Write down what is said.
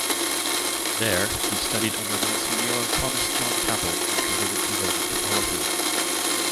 There, he studied under Monsignor Thomas John Capel and converted to Roman Catholicism.